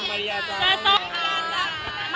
มาริยามานี้นะครับ